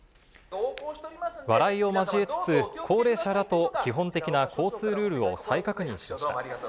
笑いを交えつつ、高齢者らと基本的な交通ルールを再確認しました。